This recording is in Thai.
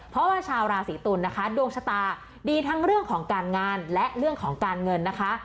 เพราะว่าชาวราศีตุลนะคะดวงชะตาดีทั้งเรื่องของการงานและเรื่องของการเงินนะคะ